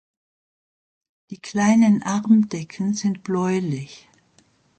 Die Kleinen Armdecken sind bläulich.